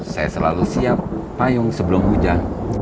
saya selalu siap payung sebelum hujan